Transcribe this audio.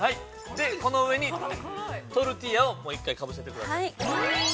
◆この上にトルティーヤをかぶせてください。